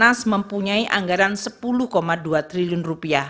dan mempunyai anggaran rp sepuluh dua triliun